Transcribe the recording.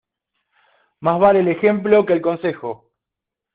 Más vale el ejemplo que el consejo.